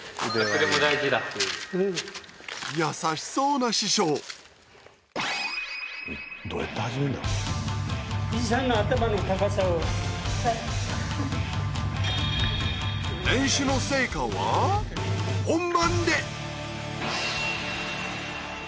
優しそうな師匠練習の成果は本番で！